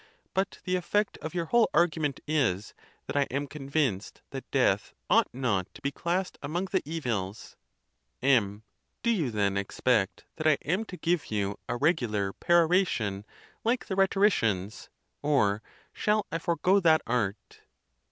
But the effect of your whole argu ment is, that I am convinced that death ought not to be classed among the evils. M. Do you, then, expect that I am to give you a regu lar peroration, like the rhetoricians, or shall I forego that art?